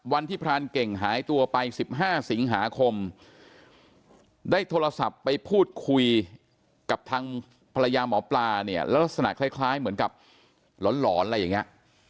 พรานเก่งหายตัวไป๑๕สิงหาคมได้โทรศัพท์ไปพูดคุยกับทางภรรยาหมอปลาเนี่ยแล้วลักษณะคล้ายเหมือนกับหลอนอะไรอย่างนี้